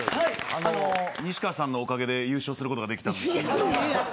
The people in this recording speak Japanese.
西川さんのおかげで優勝することができました。